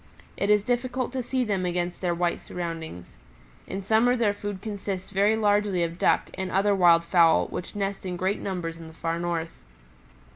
It is difficult to see them against their white surroundings. In summer their food consists very largely of ducks and other wild fowl which nest in great numbers in the Far North.